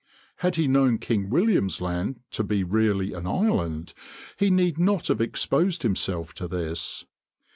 Had he known King William's Land to be really an island he need not have exposed himself to this.